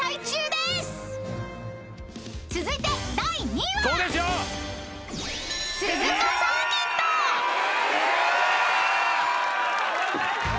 ［続いて第２位は］えっ！